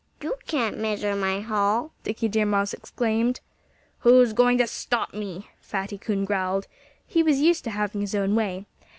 "You can't measure my hall!" Dickie Deer Mouse exclaimed. "Who's going to stop me?" Fatty Coon growled. He was used to having his own way.